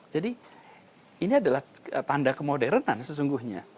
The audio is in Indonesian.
jadi ini adalah tanda kemodernan sesungguhnya